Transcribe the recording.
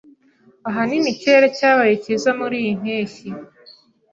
Ahanini ikirere cyabaye cyiza muriyi mpeshyi.